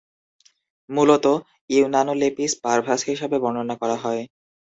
মূলত "ইউনানোলেপিস পারভাস" হিসাবে বর্ণনা করা হয়।